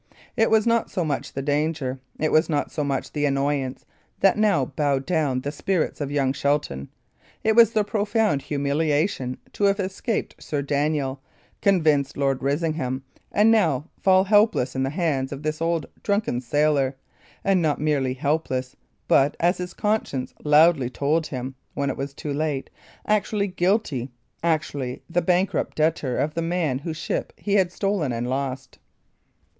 It was not so much the danger, it was not so much the annoyance, that now bowed down the spirits of young Shelton; it was the profound humiliation to have escaped Sir Daniel, convinced Lord Risingham, and now fall helpless in the hands of this old, drunken sailor; and not merely helpless, but, as his conscience loudly told him when it was too late, actually guilty actually the bankrupt debtor of the man whose ship he had stolen and lost.